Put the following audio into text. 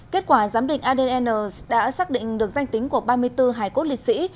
kết quả giám định adn đã xác định được danh tính của ba mươi bốn hải cốt liệt sĩ